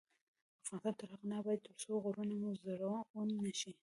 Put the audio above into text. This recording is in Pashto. افغانستان تر هغو نه ابادیږي، ترڅو غرونه مو زرغون نشي.